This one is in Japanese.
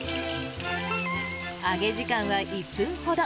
揚げ時間は１分ほど。